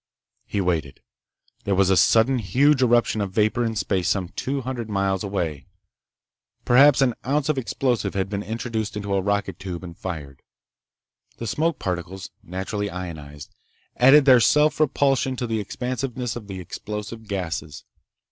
He waited. There was a sudden huge eruption of vapor in space some two hundred miles away. Perhaps an ounce of explosive had been introduced into a rocket tube and fired. The smoke particles, naturally ionized, added their self repulsion to the expansiveness of the explosive's gases.